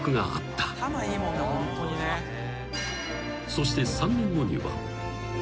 ［そして３年後には］